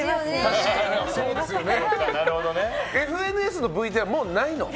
ＦＮＳのＶはもうないの？